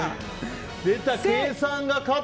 出た、計算が勝った。